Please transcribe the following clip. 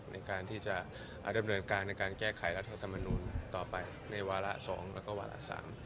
ในการที่จะดำเนินการในการแก้ไขรัฐธรรมนูลต่อไปในวาระ๒แล้วก็วาระ๓